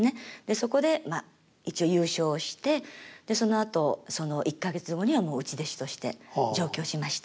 そこで一応優勝してそのあとその１か月後にはもう内弟子として上京しました。